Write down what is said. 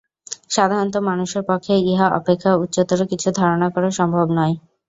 সাধারণত মানুষের পক্ষে ইহা অপেক্ষা উচ্চতর কিছু ধারণা করা সম্ভব নয়।